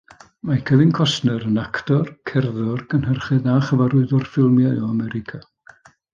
Mae Kevin Costner yn actor, cerddor, cynhyrchydd a chyfarwyddwr ffilmiau o America.